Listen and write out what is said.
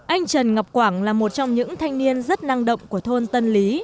anh trần ngọc quảng là một trong những thanh niên rất năng động của thôn tân lý